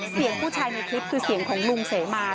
เสียงผู้ชายในคลิปคือเสียงของลุงเสมา